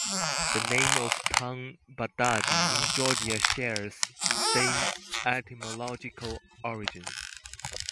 The name of the town Baghdati in Georgia shares the same etymological origins.